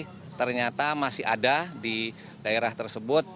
tapi ternyata masih ada di daerah tersebut